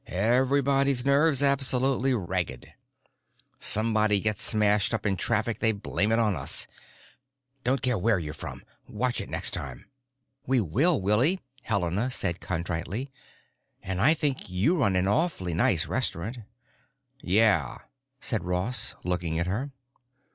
Everybody's nerves absolutely ragged. Somebody gets smashed up in traffic, they blame it on us. Don't care where you're from. Watch it next time." "We will, Willie," Helena said contritely. "And I think you run an awfully nice restaurant." "Yeah," said Ross, looking at her.